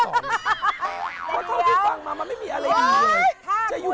เพราะเท่าที่ฟังมามันไม่มีอะไรอย่างนี้